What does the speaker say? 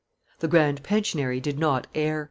The grand pensionary did not err.